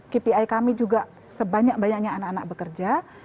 kpi kami juga sebanyak banyaknya anak anak bekerja